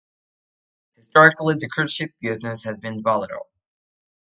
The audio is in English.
Historically, the cruise ship business has been volatile.